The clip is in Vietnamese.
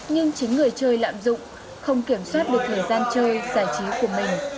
nhưng chính người chơi lạm dụng không kiểm soát được thời gian chơi giải trí của mình